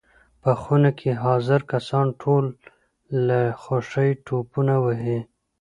په خونه کې حاضر کسان ټول له خوښۍ ټوپونه وهي.